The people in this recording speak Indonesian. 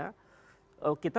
kita perlu evaluasi lah